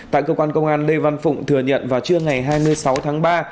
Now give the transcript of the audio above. tại cơ quan công an lê văn phụng thừa nhận vào trưa ngày hai mươi sáu tháng ba